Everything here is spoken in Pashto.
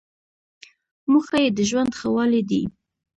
موخه یې د ژوند ښه والی دی.